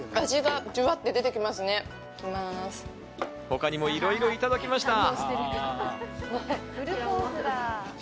他にもいろいろいただきました。